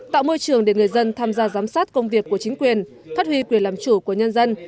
tạo môi trường để người dân tham gia giám sát công việc của chính quyền phát huy quyền làm chủ của nhân dân